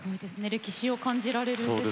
歴史を感じられるんですね。